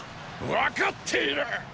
分かっている！